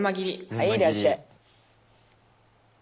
はいいらっしゃい。